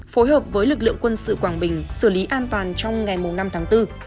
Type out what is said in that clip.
phối hợp với lực lượng quân sự quảng bình xử lý an toàn trong ngày năm tháng bốn